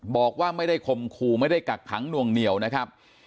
บอกว่าไม่ได้ข่มขู่ไม่ได้กักขังหน่วงเหนียวนะครับ